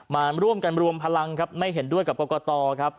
มาร่วมกันรวมพลังครับไม่เห็นด้วยกับกรกตครับ